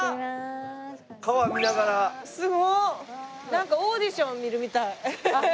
なんかオーディション見るみたい。